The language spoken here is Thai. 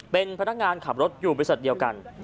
เป็นพนักงานขับรถอยู่บริษัทเดียวกัน